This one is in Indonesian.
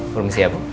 permisi ya bu